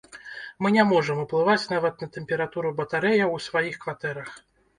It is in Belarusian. Мы не можам уплываць нават на тэмпературу батарэяў у сваіх кватэрах!